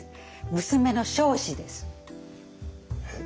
娘の彰子です。